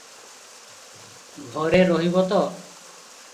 ଘରେ ରହିବ ତ?